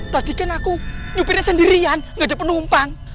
tadi kan aku nyupirnya sendirian gak ada penumpang